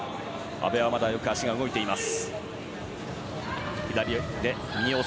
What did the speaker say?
阿部はまだ足がよく動いています。